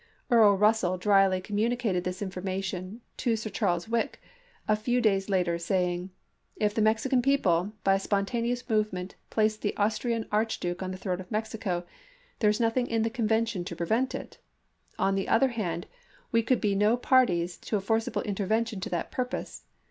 Earl Russell dryly communi cated this information to Sir Charles Wyke a few days later, saying: "If the Mexican people by a spontaneous movement place the Austrian Arch duke on the throne of Mexico, there is nothing in the convention to prevent it ; on the other hand, we could be no parties to a forcible intervention to that purpose.